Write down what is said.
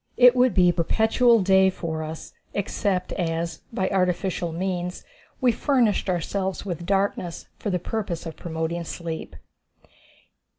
It would be perpetual day for us, except as, by artificial means, we furnished ourselves with darkness for the purpose of promoting sleep.